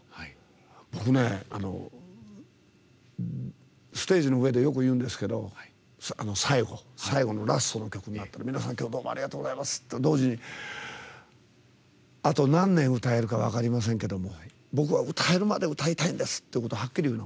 僕ね、ステージの上でよく言うんですけど最後、ラストの曲になると皆さん、今日はありがとうございますと同時にあと何年歌えるか分かりませんけども僕は歌えるまで歌いたいんですってはっきり言うの。